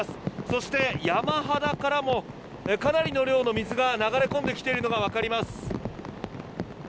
そして、山肌からもかなりの量の水が流れ込んできているのが分かります。